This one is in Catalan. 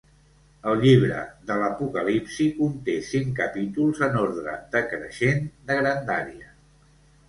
El llibre de l'Apocalipsi conté cinc capítols en ordre decreixent de grandària.